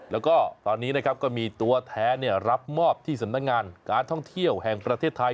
แล้วก็ตอนนี้นะครับก็มีตัวแท้รับมอบที่สำนักงานการท่องเที่ยวแห่งประเทศไทย